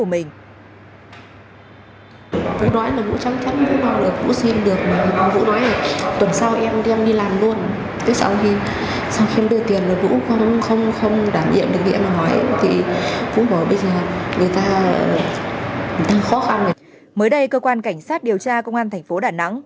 mới đây cơ quan cảnh sát điều tra công an thành phố đà nẵng